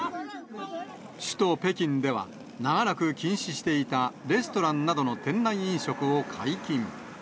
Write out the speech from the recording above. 首都北京では、長らく禁止していたレストランなどの店内飲食を解禁。